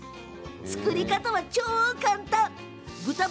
作り方は超簡単です！